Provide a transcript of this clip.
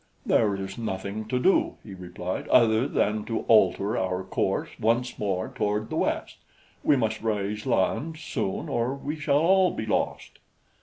"There is nothing to do," he replied, "other than to alter our course once more toward the west; we must raise land soon or we shall all be lost."